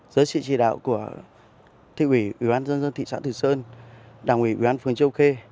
giới trị chỉ đạo của thị ủy ủy ban nhân dân thị xã thị sơn đảng ủy ủy ban phường châu khê